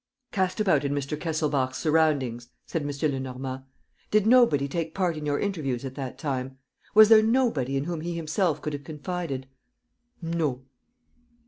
..." "Cast about in Mr. Kesselbach's surroundings," said M. Lenormand. "Did nobody take part in your interviews at that time? Was there nobody in whom he himself could have confided?" "No."